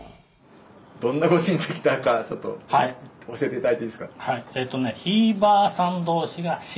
どんなご親戚だかちょっと教えて頂いていいですか？